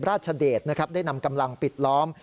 ราชเดชได้นำกำลังปิดล้อม